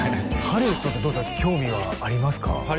ハリウッドって興味はありますか？